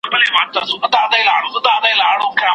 په دوستي په یارانه به هلته اوسو